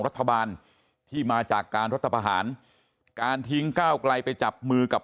รัฐบาลที่มาจากการรัฐประหารการทิ้งก้าวไกลไปจับมือกับ